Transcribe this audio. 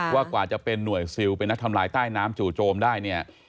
กว่าจะเป็นหน่วยซิลเป็นนักทำลายใต้น้ำจู่โจมได้เนี่ย